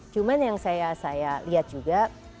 cuma yang saya lihat juga